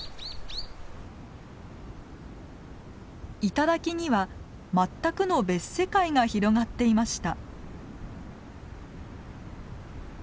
頂には全くの別世界が広がっていました。